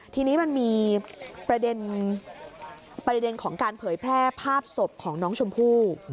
ทีนี้มันมีประเด็นของการเผยแพร่ภาพศพของน้องชมพู่